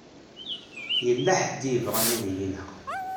Yella ḥedd i yebɣan ad yi-ineɣ.